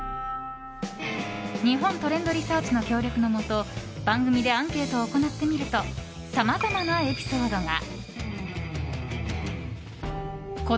日本トレンドリサーチの協力のもと番組でアンケートを行ってみるとさまざまなエピソードが。